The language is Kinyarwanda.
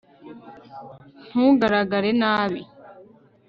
ntugaragare nabi